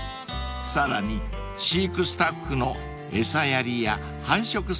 ［さらに飼育スタッフの餌やりや繁殖作業も公開］